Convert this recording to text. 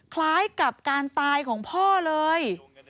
คล้ายกับการตายของพ่อเลย